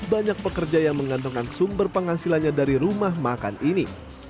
banyak pekerja yang menggantungkan sumber penghasilannya dari rumah makan ini